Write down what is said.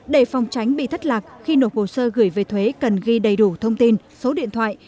để phòng tránh bị thất lạc khi nộp hồ sơ gửi về thuế cần ghi đầy đủ thông tin số điện thoại